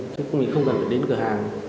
chứ mình không cần phải đến cửa hàng